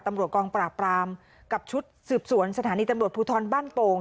ตำรวจกองปราบรามกับชุดสืบสวนสถานีตำรวจภูทรบ้านโป่ง